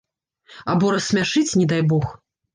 Або рассмяшыць, не дай бог.